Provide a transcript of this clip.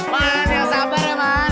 man yang sabar ya man